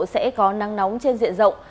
sẽ có nắng nóng trên diện rộng